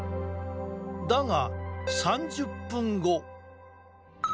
だが３０分後。